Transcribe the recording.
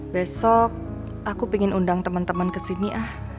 besok aku pengen undang temen temen kesini ah